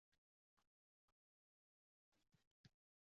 Manzara yaxshi ko'rinib turadigan xonani band qilsangiz.